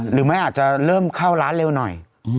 หรือไม่อาจจะเริ่มเข้าร้านเร็วหน่อย